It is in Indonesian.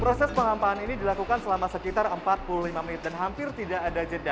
proses pengampahan ini dilakukan selama sekitar empat puluh lima menit dan hampir tidak ada jeda